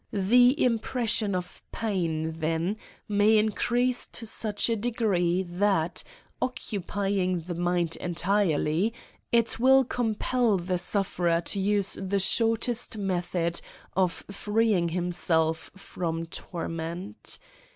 The impression of pain, then, may increase to such a degree J that, occupying the mind entirely, it will compel the sufferer to use the shortest method of freeing himself from torment.